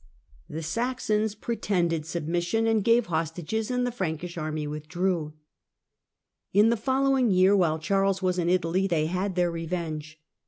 The 156 THE DAWN OF MEDIEVAL EUROPE Saxons pretended submission and gave hostages, and the Frankish army withdrew. In the following year, while Charles was in Italy, they had their revenge.